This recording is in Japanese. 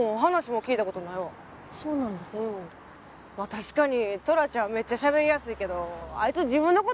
確かにトラちゃんめっちゃしゃべりやすいけどあいつ自分の事